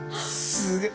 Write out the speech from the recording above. すげえ。